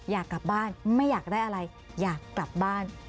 อยากกลับบ้านไม่อยากได้อะไรอยากกลับบ้าน